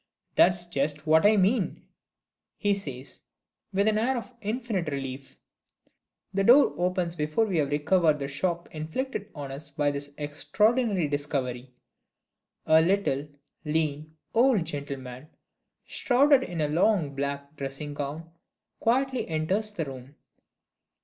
"That's just what I mean!" he says, with an air of infinite relief. The door opens before we have recovered the shock inflicted on us by this extraordinary discovery. A little, lean, old gentleman, shrouded in a long black dressing gown, quietly enters the room.